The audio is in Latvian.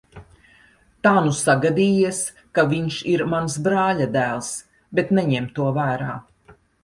Tā nu sagadījies, ka viņš ir mans brāļadēls, bet neņem to vērā.